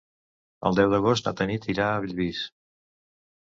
El deu d'agost na Tanit irà a Bellvís.